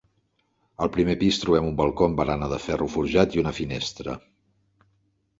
Al primer pis trobem un balcó amb barana de ferro forjat i una finestra.